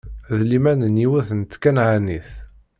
D liman n yiwet n tkanɛanit.